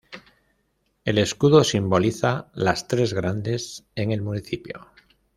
El escudo simboliza las tres grandes en el municipio.